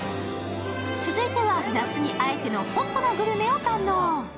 続いては、夏にあえてのホットなグルメを堪能。